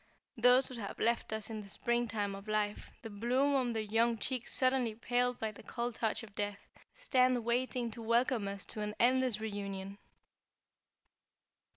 Those who have left us in the spring time of life, the bloom on their young cheeks suddenly paled by the cold touch of death, stand waiting to welcome us to an endless reunion."